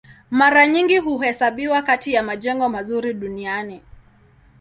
Mara nyingi huhesabiwa kati ya majengo mazuri duniani.